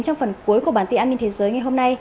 trong phần cuối của bản tin an ninh thế giới ngày hôm nay